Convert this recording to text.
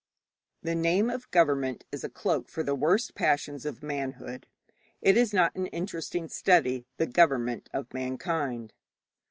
The name of government is a cloak for the worst passions of manhood. It is not an interesting study, the government of mankind.